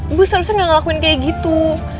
ibu serius gak ngelakuin kayak gitu